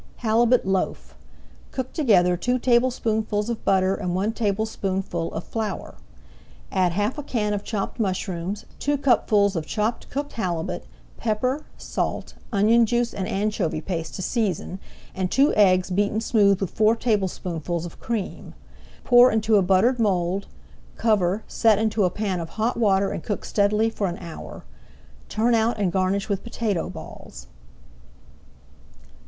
HALIBUT LOAF Cook together two tablespoonfuls of butter and one tablespoonful of flour. Add half a can of chopped mushrooms, two cupfuls of chopped cooked halibut, pepper, salt, onion juice, and anchovy paste to season, and two eggs beaten smooth with four tablespoonfuls of cream. Pour into a buttered mould, cover set into a pan of hot water and cook steadily for an hour. Turn out and garnish with potato balls.